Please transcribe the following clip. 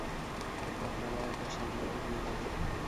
আপনারা এটা শাংহাইতে নিয়ে যাবেন।